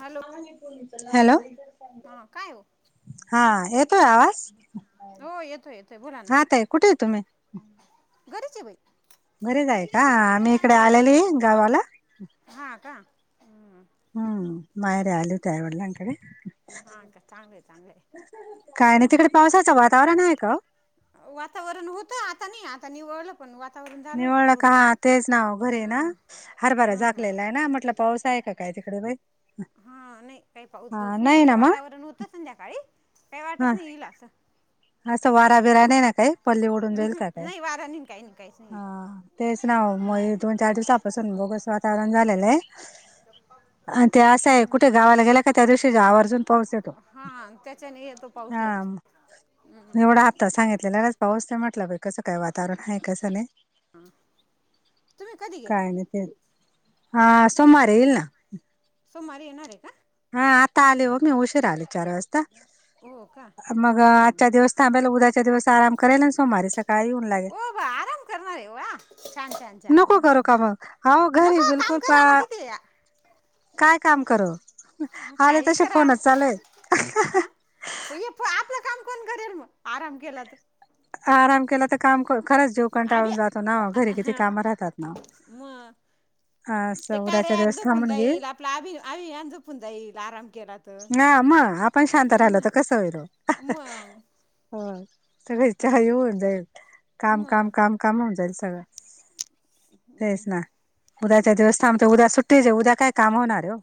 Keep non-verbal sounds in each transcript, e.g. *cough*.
Hello hello हां काय हो हा येतोय आवाज? हो येतोय येतोय बोला ना हा ताई कुठे आहे तुम्ही घरीचं आहे बाई. घरीच आहे आम्ही इकडे आलेली गावाला. हा का? हम्म माहेरी आली होती वडिला कडे हां का चांगलं आहे चांगलं काय नाही तिकडे पावसाचं वातावरण आहे का? वातावरण होतं. आता नाही, आता निवळलं. पण वातावरण झालं होतं निवळलं का? थोडंसं हा तेचं ना ओ घरी ना, हां हरभरा हां हां झाकलेला हाय ना, म्हटल पाऊस हाय का काय तिकडं बाई? हा नाही काही पाऊस हा बिऊस नाही नाहीये, ना मग वातावरण होतं संध्याकाळी. काही हा वाटत नाही येईल असं. असं वारा बिरा नाही ना काही? पल्ली उडून जाईल उहुं, का काय? नाही वारा नाही काही नाही काहीच नाही हा तेच ना ओ, म हे दोन चार दिवसापासून बोगस वाता तारण झालेलय अ ते आसं हे, कुठे गावाला गेला का, त्या दिवशी आवर्जून पाऊस येतो. हा त्याच्याने येतो. पाऊस लगेच हू. थोडा हाता सांगितलेल्या लगेच पाऊस नाही म्हटला बाई, कसं काय वातावरण हाय, कसं नाही. आं. तुम्ही कधी गेल्या? काय नाही ते हा सोमारी इल् ना. सोमारी येणार ये का? हा आता आले हो. बरं मी उशीरा आली चार वाजता. हो का? मग हं, हं. आजच्या दिवस थांबेल. उद्याच्या दिवस आराम करेल आणि सोमवारी सकाळी येऊन लागेल. ओ आराम करणार ये वा! छान छान छान! नको करू का मग हो घरी नको काम बिलकुल पा करा ना. तेया. काय काम करू? आले तसे फोनच चालु येत. आं. पू ये आपलं काम कोण करेल मग, आराम केला तर. आराम केला तर, काम कोण खरच जीव आभी कंटाळून जातो ना, घरी किती काम राहतात ना? म असं ते उद्याच्या कार्या ॲप दिवस झोपून थांबून घेईल जाईल, आप ला आ आही झोपून जाईल, आराम केला तर ना म आपण शांत राहिलो मग तर कस होईल? मग हो. सगळे चाय होवून जाईल. काम काम मग काम होवून जाइल सगळ. तेच ना, उद्याच्या दिवस थांबतो. उद्या सुट्टीच ये. उद्या काय काम होणार हाय ओ?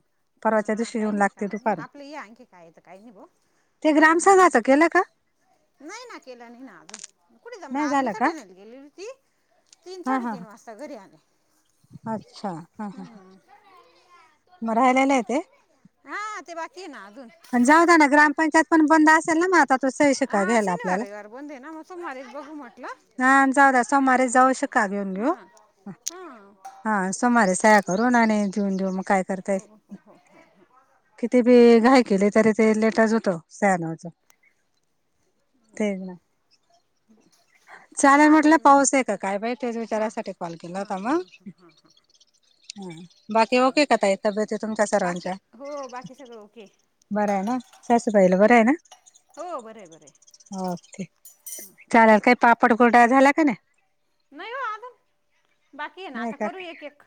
परवाच्या हा दिवशी काही येवून नाही काम लागतेत नाही आपलं या आणखी काय येत काही नाही बो, ते त्याच्यामुळेच मग ग्रामसंघाचं केलं का नाही ना, केला नाही ना अजून, कुठे जमला नाही आज मी झालं का सटानेत गेलेली होती. तीन, हा हा हा. साडेतीन वासता घरी आले. अच्छा, हा हं. हा. म ऱ्हायलेला ये ते? हा ते, बाकी ये ना अजून. जाऊद्या ना, ग्राममपंचायत पण बंद असेल ना, मग आता. तो सही आ शिक्का घ्यायला शनिवार, आपल्याला रविवार बंद आहे ना, मग सोमवारीच बघू म्हटला. हा जाऊ द्या. सोमारी जाऊ, शीका घेऊन घेऊ. हां हां हा सोमारी सया करून आणि ठेऊन घेवू, म काय करताय. हो हो हो किती बी चा घाय केली, तरी ते लेटच होतो सयानू चा हो का? हो. चालेल म्हटलं, पाऊस हाय का काय बाई? तेच हां विचारासाठी कॉल केला हां होता हां मग. हां हां हा. बाकी ओके चालेल का ताई तब्येती तुमच्या बाकी सर्वांच्या? हो, बाकी सगळं ओके. बरं हाय ना? हां सासूबाईला हां बरं हाय ना? हो बरं आहे बरं आहे ओके, चालेल काही पापड क्या झाल्या का नाय? नाही हो अजून, बाकी ये ना नाही आता का करू एक- एक.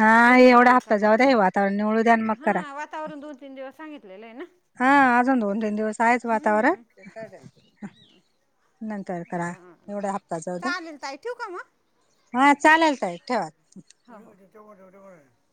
हा आपलं ही एवढा मिटलं का हप्ता म, जाऊ द्या हे वातावरण निवळू द्या आणि मग हा करा वातावरण दोन, तीन दिवस सांगितलेलं ये ना. हा अजून दोन, तीन दिवस आहेच वातावरण हम्म. नंतर करा बरं. एवढ्या हप्ता जाऊदे. चालेल ताई ठेवू का मग? चालेल ताई ठेवा. *inaudible*